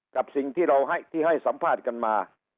กับสิ่งที่เราที่ให้สัมภาษณ์กันมา